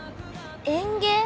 園芸？